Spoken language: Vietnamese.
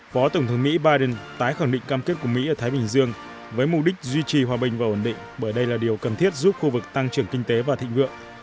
phó tổng thống mỹ biden tái khẳng định cam kết của mỹ ở thái bình dương với mục đích duy trì hòa bình và ổn định bởi đây là điều cần thiết giúp khu vực tăng trưởng kinh tế và thịnh vượng